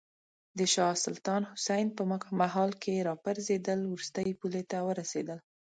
د شاه سلطان حسین په مهال کې راپرزېدل وروستۍ پولې ته ورسېدل.